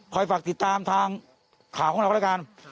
ฝากติดตามทางข่าวของเราแล้วกัน